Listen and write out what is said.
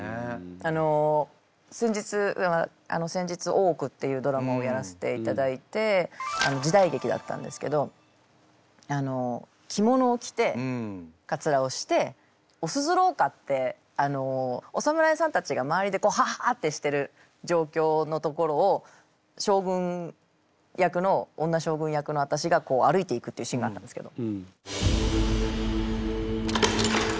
あの先日あの先日「大奥」っていうドラマをやらせていただいて時代劇だったんですけど着物を着てかつらをしておすずろうかってあのお侍さんたちが周りでこう「ははあ！」ってしてる状況のところを将軍役の女将軍役の私が歩いていくっていうシーンがあったんですけど。